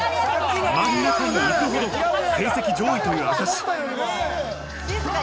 真ん中に行くほど成績が上位という証。